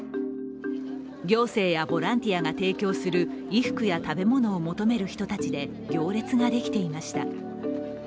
行政やボランティアが提供する衣服や食べ物を求める人たちで行列ができていました。